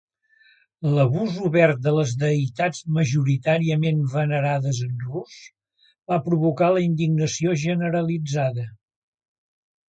L'abús obert de les deïtats majoritàriament venerades en Rus va provocar la indignació generalitzada.